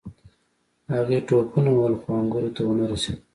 هغې ټوپونه ووهل خو انګورو ته ونه رسیده.